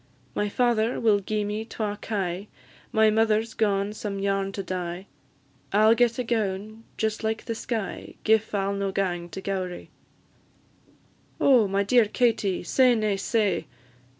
My father will gi'e me twa kye; My mother 's gaun some yarn to dye; I 'll get a gown just like the sky, Gif I 'll no gang to Gowrie." "Oh, my dear Katie, say nae sae!